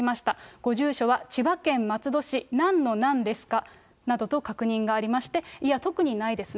ご住所は千葉県松戸市何の何ですかなどと確認がありまして、いや、特にないですね。